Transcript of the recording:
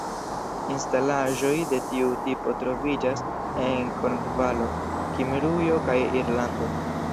Instalaĵoj de tiu tipo troviĝas en Kornvalo, Kimrujo kaj Irlando.